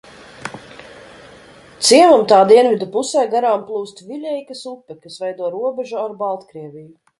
Ciemam tā dienvidu pusē garām plūst Viļeikas upe, kas veido robežu ar Baltkrieviju.